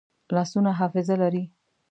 لاسونه حافظه لري